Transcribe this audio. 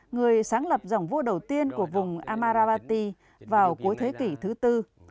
người sáng lập dòng vua đầu tiên của vùng amaravati vào cuối thế kỷ thứ tư